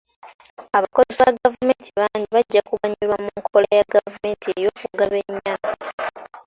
Abakozi ba gavumenti bangi bajja kuganyulwa mu nkola ya gavumenti ey'okugaba ennyana.